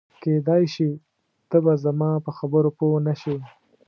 کېدای شي ته به زما په خبرو پوه نه شې.